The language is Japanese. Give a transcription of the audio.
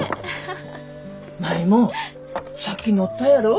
舞もさっき乗ったやろ？